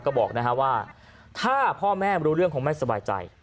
ก็บอกว่าถ้าพ่อแม่รู้เรื่องคงไม่สบายใจ